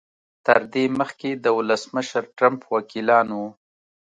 تر دې مخکې د ولسمشر ټرمپ وکیلانو